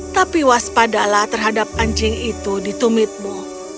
tapi waspadalah terhadap anjing itu di tumitmu